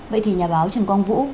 vậy thì nhà báo trần quang vũ